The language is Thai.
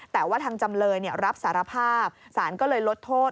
แต่ว่าทางจำเลยรับสารภาพสารก็เลยลดโทษ